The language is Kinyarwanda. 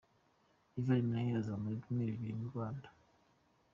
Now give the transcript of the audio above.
Ivan Minnaert azamara ibyumweru bibiri mu Rwanda .